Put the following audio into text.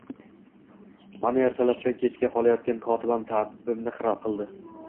Mana, ertalabdan kechga qolayotgan kotibam ta'bimni xira qildi